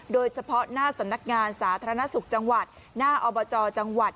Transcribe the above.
โดยเฉพาะหน้าสำนักงานสาธารณสุขจังหวัดหน้าอบจจังหวัด